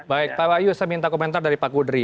baik pak wayu saya minta komentar dari pak kudri